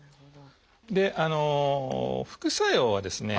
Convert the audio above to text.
であの副作用はですね